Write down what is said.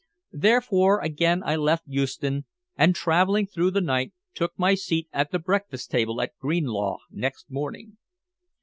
Therefore again I left Euston, and, traveling through the night, took my seat at the breakfast table at Greenlaw next morning.